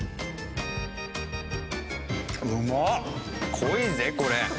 濃いぜこれ。